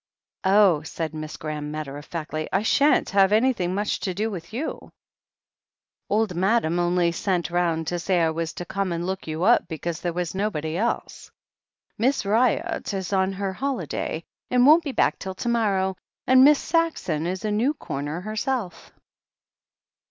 "Oh," said Miss Graham matter of factly, "I shan't have anything much to do with you. Old Madam only sent round to say I was to come and look you up 114 THE HEEL OF ACHILLES because there was nobody else. Miss Ryott is on her holiday, and won't get back till to morrow, and Miss Saxon is a new comer herself."